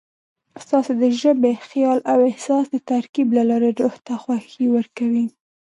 شاعري د ژبې، خیال او احساس د ترکیب له لارې روح ته خوښي ورکوي.